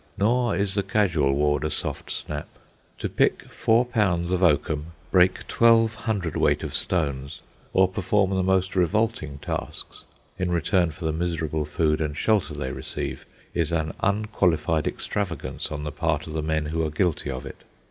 Nor is the casual ward a soft snap. To pick four pounds of oakum, break twelve hundredweight of stones, or perform the most revolting tasks, in return for the miserable food and shelter they receive, is an unqualified extravagance on the part of the men who are guilty of it.